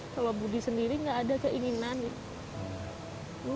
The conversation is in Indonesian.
kalo budi sendiri gak ada keinginannya